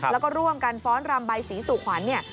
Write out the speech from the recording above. แล้วก็ร่วมกันฟ้อนรำใบสีสุขวัญ